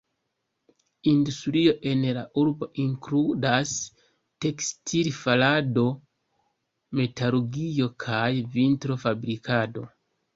Industrio en la urbo inkludas tekstil-farado, metalurgio, kaj vitro-fabrikado.